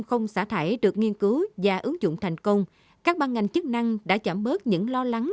không xả thải được nghiên cứu và ứng dụng thành công các ban ngành chức năng đã giảm bớt những lo lắng